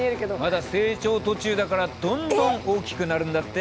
まだ成長途中だからどんどん大きくなるんだって。